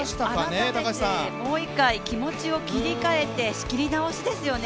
改めてもう１回気持ちを切り替えてやり直しですよね。